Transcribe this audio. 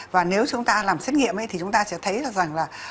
và nếu chúng ta làm xét nghiệm thì chúng ta sẽ thấy rằng là